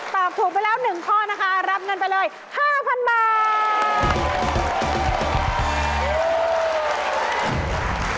ตอบถูกไปแล้ว๑ข้อนะคะรับเงินไปเลย๕๐๐๐บาท